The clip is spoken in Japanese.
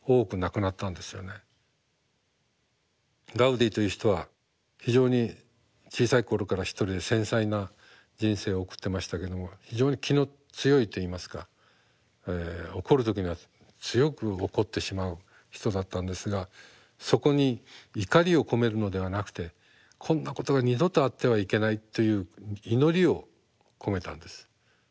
ガウディという人は非常に小さい頃から一人で繊細な人生を送ってましたけども非常に気の強いといいますか怒る時には強く怒ってしまう人だったんですがそこに怒りを込めるのではなくてこんなことが二度とあってはいけないという祈りを込めたんです。